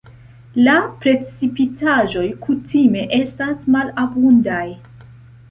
La precipitaĵoj kutime estas malabundaj.